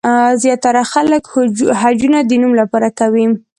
زیاتره خلک حجونه د نوم لپاره کوي.